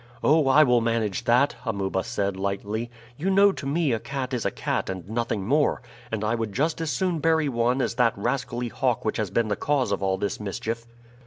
"Oh, I will manage that," Amuba said lightly. "You know to me a cat is a cat and nothing more, and I would just as soon bury one as that rascally hawk which has been the cause of all this mischief."